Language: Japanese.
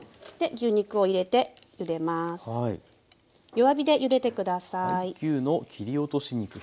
弱火でゆでて下さい。